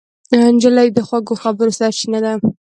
نجلۍ د خوږو خبرو سرچینه ده.